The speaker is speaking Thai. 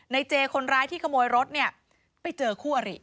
เจคนร้ายที่ขโมยรถเนี่ยไปเจอคู่อริ